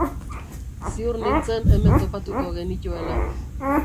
Ziur nintzen hemen topatuko genituela.